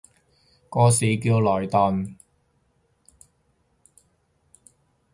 個市叫萊頓